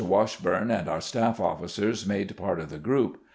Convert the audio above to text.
"Wash burne and our staff officers made part of the group.